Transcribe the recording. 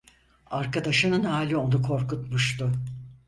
Arkadaşının hali onu korkutmuştu.